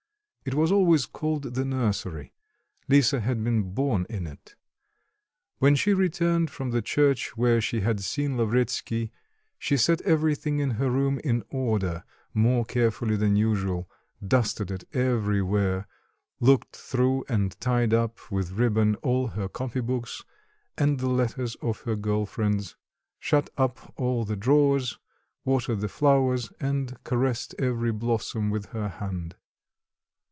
It was always called the nursery; Lisa had been born in it. When she returned from the church where she had seen Lavretsky she set everything in her room in order more carefully than usual, dusted it everywhere, looked through and tied up with ribbon all her copybooks, and the letters of her girl friends, shut up all the drawers, watered the flowers and caressed every blossom with her hand.